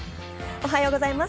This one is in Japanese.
おはようございます。